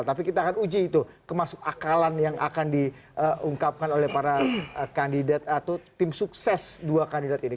tapi kita akan uji itu kemasuk akalan yang akan diungkapkan oleh para kandidat atau tim sukses dua kandidat ini